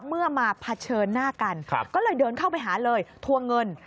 เมื่อมาเผชิญหน้ากันก็เลยเดินเข้าไปหาเลยทวงเงิน